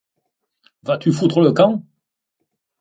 Vas-tu foutre le camp !